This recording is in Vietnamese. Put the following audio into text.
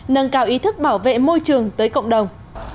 nâng cao ý thức bảo vệ môi trường tới cộng đồng